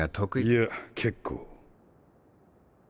いや結構。